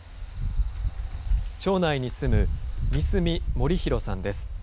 町内に住む三隅盛弘さんです。